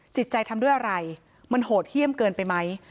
จิตใจทำด้วยอะไรมันโหดเยี่ยมเกินไปไหม